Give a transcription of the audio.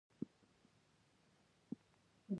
ولایتونه د افغانستان د بڼوالۍ یوه برخه ده.